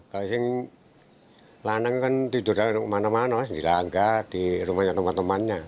kalau ini anaknya kan tidur di mana mana sendiri di rumah teman temannya